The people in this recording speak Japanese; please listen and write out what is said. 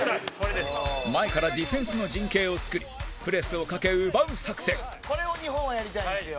前からディフェンスの陣形を作りプレスをかけ、奪う作戦井上：これを日本は、やりたいんですよ。